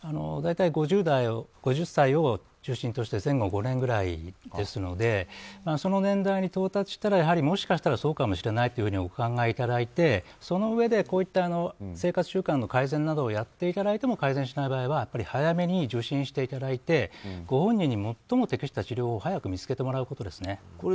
大体５０歳を中心として前後５年ぐらいですのでその年代に到達したら、やはりもしかしたらそうかもしれないとお考えいただいてそのうえで、こういった生活習慣の改善などをやっていただいても改善しない場合は早めに受診していただいてご本人に最も適した治療法を見つけてもらうことですね。